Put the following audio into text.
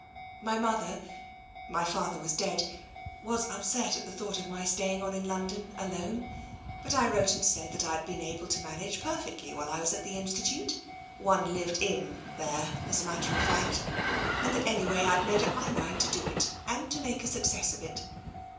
My mother — my father was dead — was upset at the thought of my staying on in London alone, but I wrote and said that I'd been able to manage perfectly while I was at the institute — one lived ' in ' there, as a matter of fact — and that anyway I'd made up my mind to do it, and to make a success of it.